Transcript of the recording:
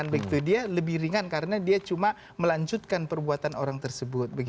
begitu dia lebih ringan karena dia cuma melanjutkan perbuatan orang tersebut